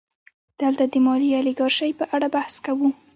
دلته د مالي الیګارشۍ په اړه بحث کوو